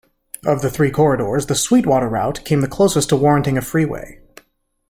Of the three corridors, the Sweetwater route came the closest to warranting a freeway.